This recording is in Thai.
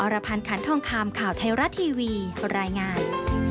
รพันธ์ขันทองคำข่าวไทยรัฐทีวีรายงาน